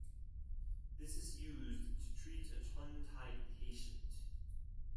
This is used to treat a tongue tied patient.